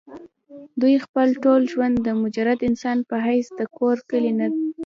دوي خپل ټول ژوند د مجرد انسان پۀ حېث د کور کلي نه